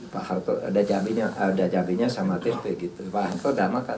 pak harto ada cabainya sama tempe gitu pak harto ada makan